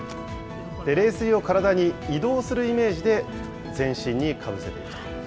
冷水を体に移動するイメージで、全身にかぶせていくと。